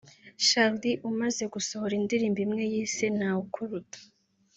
Charly umaze gusohora indirimbo imwe yise “Ntawe Ukuruta”